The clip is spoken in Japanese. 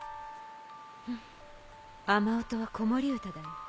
フン雨音は子守歌だよ。